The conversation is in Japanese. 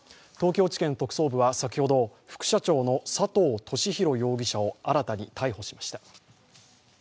東京地検特捜部は先ほど副社長の佐藤俊弘容疑者を新たに逮捕しました。